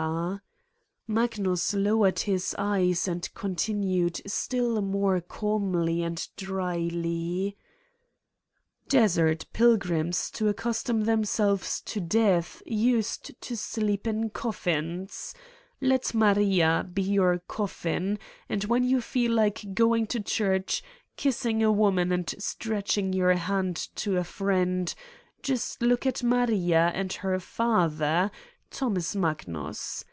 249 Satan's Diary Magnus lowered his eyes and continued still more calmly and dryly: "Desert pilgrims, to accustom themselves to death, used to sleep in coffins : let Maria be your coffin and when you feel like going to church, kiss ing a woman and stretching your hand to a friend, just look at Maria and her father, Thomas Mag nus.